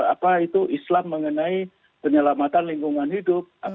apa itu islam mengenai penyelamatan lingkungan hidup